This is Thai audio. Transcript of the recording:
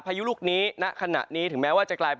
พายุลูกนี้ณขณะนี้ถึงแม้ว่าจะกลายเป็น